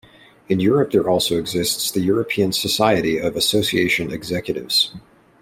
In Europe there also exists the European Society of Association Executives.